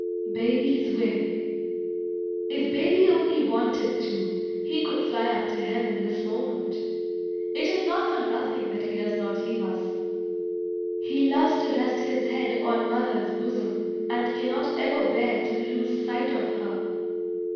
BABY'S WAY If baby only wanted to, he could fly up to heaven this moment. It is not for nothing that he does not leave us. He loves to rest his head on mother's bosom, and cannot ever bear to lose sight of her.